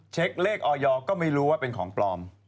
เช็คเลขออยก็ไม่รู้ว่าเป็นของปลอม